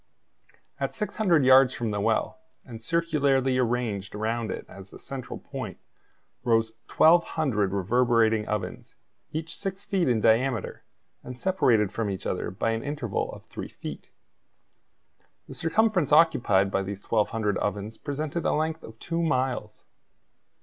At 600 yards from the well, and circularly arranged around it as a central point, rose 1,200 reverberating ovens, each six feet in diameter, and separated from each other by an interval of three feet. The circumference occupied by these 1,200 ovens presented a length of two miles.